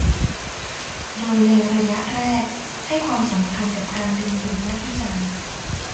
โดยในระยะแรกให้ความสำคัญกับการดึงดูดนักวิจัย